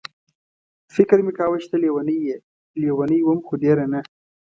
فکر مې کاوه چې ته لېونۍ یې، لېونۍ وم خو ډېره نه.